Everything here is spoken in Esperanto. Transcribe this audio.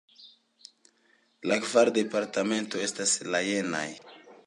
La kvar departementoj estas la jenaj:.